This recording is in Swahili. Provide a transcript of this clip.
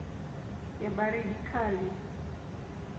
ya baridi kali.